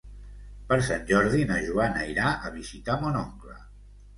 Per Sant Jordi na Joana irà a visitar mon oncle.